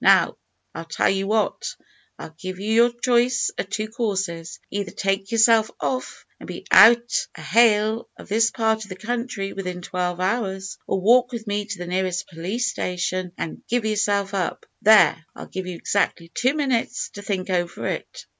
Now, I'll tell you what I'll give you your choice o' two courses. Either take yourself off and be out o' hail of this part of the country within twelve hours, or walk with me to the nearest police station and give yourself up. There I'll give you exactly two minutes to think over it."